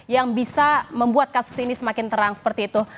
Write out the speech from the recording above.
yang bisa membuat kasus ini semakin terang seperti itu